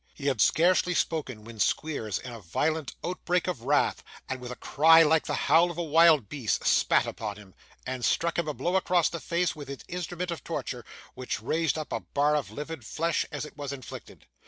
He had scarcely spoken, when Squeers, in a violent outbreak of wrath, and with a cry like the howl of a wild beast, spat upon him, and struck him a blow across the face with his instrument of torture, which raised up a bar of livid flesh as it was inflicted.